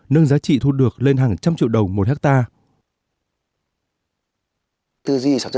nâng giá trị thu được lên hàng trăm triệu đồng một hectare